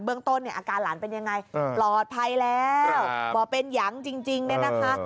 เบื้องต้นอาการหลานเป็นอย่างไรปลอดภัยแล้วบอกเป็นอย่างจริงนะคะ